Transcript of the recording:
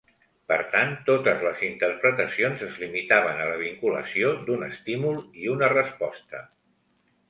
Per tant, totes les interpretacions es limitaven a la vinculació d'un estímul i una resposta.